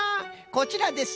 こちらです！